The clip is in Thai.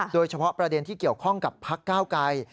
โดยเฉพาะประเด็นที่เกี่ยวข้องกับพักเก้าไกร